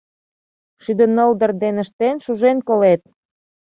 — Шӱдынылдыр дене ыштен, шужен колет!